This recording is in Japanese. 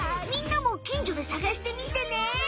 みんなもきんじょでさがしてみてね！